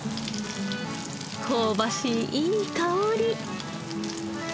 香ばしいいい香り。